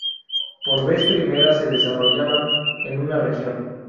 Por vez primera se desarrollaban en una región.